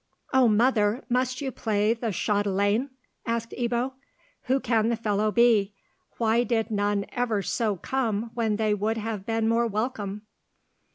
"O mother, must you play the chatelaine?" asked Ebbo. "Who can the fellow be? Why did none ever so come when they would have been more welcome?"